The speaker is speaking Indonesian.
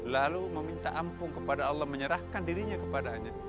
lalu meminta ampun kepada allah menyerahkan dirinya kepada allah